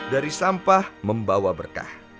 dari sampah membawa berkah